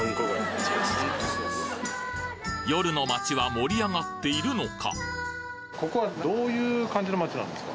夜の街は盛り上がっているのか？